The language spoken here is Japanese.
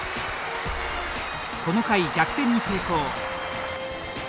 この回、逆転に成功。